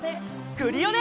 クリオネ！